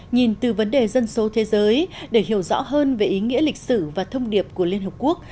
nhìn từ vấn đề dân số thế giới để hiểu rõ hơn về ý nghĩa lịch sử và thông điệp của liên hợp quốc